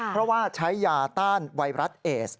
เพราะว่าใช้ยาต้านไวรัสเอส